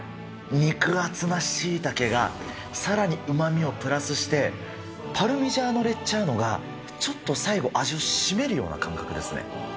肉厚なしいたけがさらにうまみをプラスして、パルミジャーノ・レッジャーノが、ちょっと最後味を締めるような感覚ですね。